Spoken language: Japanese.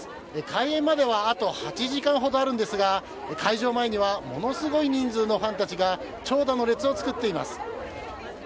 開演まではあと８時間ほどあるんですが会場前にはものすごい人数のファンたちが長蛇の列を作っています。